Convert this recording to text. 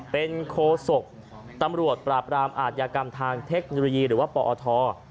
เป็นโคศกตำรวจปราบรามอาทยากรรมทางเทคโนโลยีหรือว่าปอท